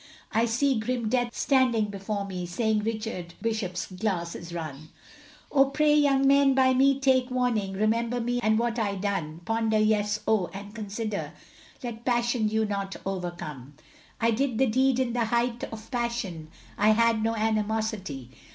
I see grim death standing before me, Saying, Richard Bishop's glass is run. Oh, pray, young men, by me take warning, Remember me and what I done, Ponder, yes, oh! and consider, Let passion you not overcome; I did the deed in the heighth of passion, I had no animosity.